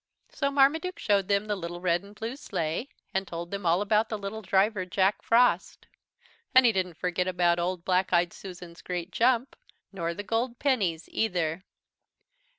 So Marmaduke showed them the little red and blue sleigh, and told them all about the little driver, Jack Frost. And he didn't forget about old Black eyed Susan's great jump, nor the gold pennies, either.